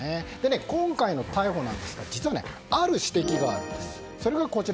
今回の逮捕なんですが実はある指摘があるんです。